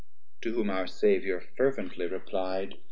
120 To whom our Saviour fervently reply'd.